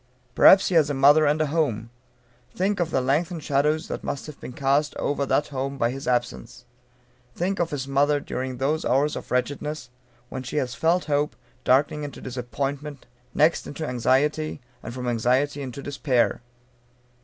Perhaps he has a mother, and a home. Think of the lengthened shadow that must have been cast over that home by his absence. Think of his mother, during those hours of wretchedness, when she has felt hope darkening into disappointment, next into anxiety, and from anxiety into despair.